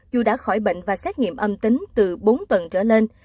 dù đã khỏi bệnh và xét nghiệm âm tính từ bốn tuần trở lên